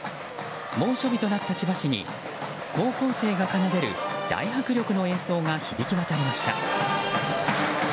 猛暑日となった千葉市に高校生が奏でる大迫力の演奏が響き渡りました。